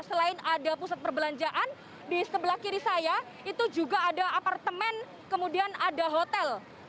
selain ada pusat perbelanjaan di sebelah kiri saya itu juga ada apartemen kemudian ada hotel